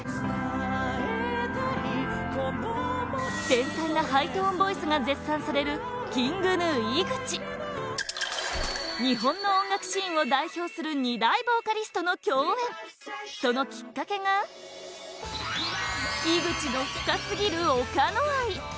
繊細なハイトーンボイスが絶賛されるＫｉｎｇＧｎｕ、井口日本の音楽シーンを代表する二大ボーカリストの共演そのきっかけが井口の深すぎる岡野愛